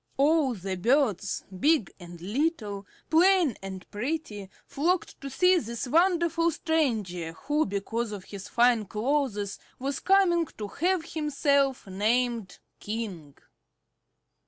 All the birds, big and little, plain and pretty, flocked to see this wonderful stranger who because of his fine clothes was coming to have himself named King.